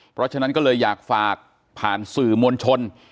เพราะฉะนั้นก็เลยอยากฝากผ่านสื่อมวลชน